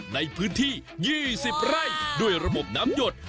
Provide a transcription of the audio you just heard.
ในพื้นที่๒๐ไร่ด้วยระบบน้ำหยด